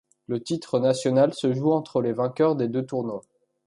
Le titre national se joue entre les vainqueurs des deux tournois.